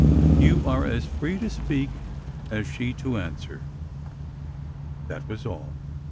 " You are as free to speak as she to answer." That was all.